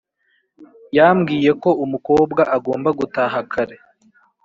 Yambwiye ko umukobwa agomba gutaha kare.